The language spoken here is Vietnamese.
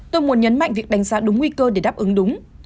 tôi muốn nhấn mạnh việc đánh giá đúng nguy cơ để đáp ứng đúng